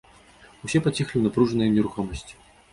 Усе паціхлі ў напружнай нерухомасці.